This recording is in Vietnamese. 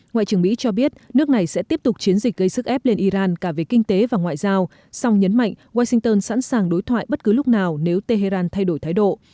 ngoại trưởng mỹ cho biết nước này sẽ tiếp tục chiến dịch gây sức ép lên iran cả về kinh tế và ngoại giao song nhấn mạnh washington sẵn sàng đối thoại bất cứ lúc nào nếu tehran thay đổi thái độ